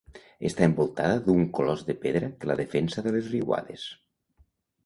Està envoltada d'un clos de pedra que la defensa de les riuades.